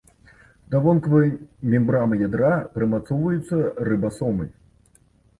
Да вонкавай мембраны ядра прымацоўваюцца рыбасомы.